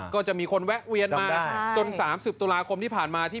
ก็จะมีคนแวะเวียนมาจน๓๐ตุลาคมที่ผ่านมาที่